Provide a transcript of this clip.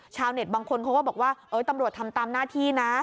บางคนเขาก็บอกว่าตำรวจทำตามหน้าที่นะ